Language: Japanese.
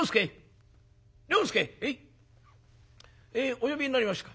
お呼びになりましたか？」。